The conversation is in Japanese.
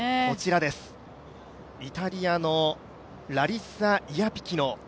イタリアのラリッサ・イアピキノ。